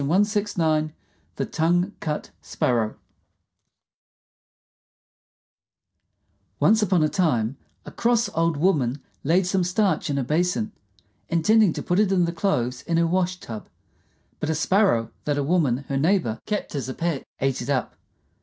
THE TONGUE CUT SPARROW Once upon a time a cross old woman laid some starch in a basin, intending to put it in the clothes in her wash tub; but a Sparrow that a woman, her neighbor, kept as a pet, ate it up.